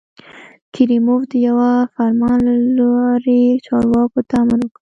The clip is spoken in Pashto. کریموف د یوه فرمان له لارې چارواکو ته امر وکړ.